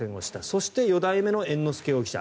そして四代目の猿之助容疑者